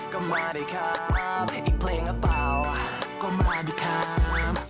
ก็มาดีครับอีกเพลงหรือเปล่าก็มาดีครับ